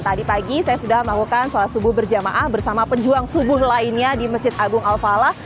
tadi pagi saya sudah melakukan sholat subuh berjamaah bersama penjuang subuh lainnya di masjid agung al falah